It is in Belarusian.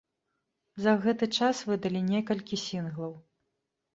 За гэты час выдалі некалькі сінглаў.